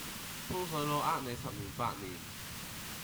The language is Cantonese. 風水佬呃你十年八年